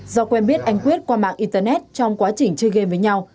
do quen biết anh quyết qua mạng internet trong quá trình chơi game với nhau